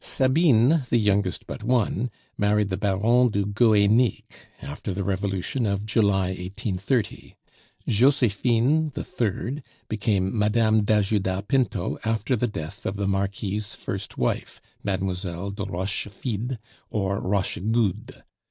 Sabine, the youngest but one, married the Baron du Guenic after the revolution of July 1830; Josephine, the third, became Madame d'Ajuda Pinto after the death of the Marquis' first wife, Mademoiselle de Rochefide, or Rochegude.